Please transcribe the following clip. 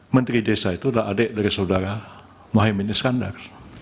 menteri desa itu adalah adik dari saudara mohaimin iskandar